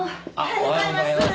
おはようございます。